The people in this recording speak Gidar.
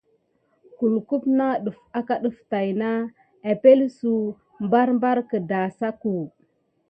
Kulu nawute akenki def tät na epəŋle suk barbar kidasaku.